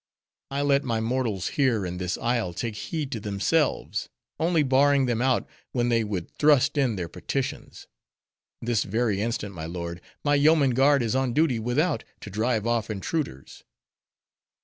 I let my mortals here in this isle take heed to themselves; only barring them out when they would thrust in their petitions. This very instant, my lord, my yeoman guard is on duty without, to drive off intruders.